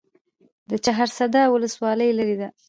د چهارسده ولسوالۍ لیرې ده